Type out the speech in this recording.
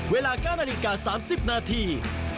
เวลาก้านอนิกา๓๐นาที